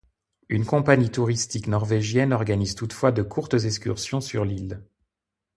Une compagnie touristique norvégienne organise toutefois de courtes excursions sur l'île.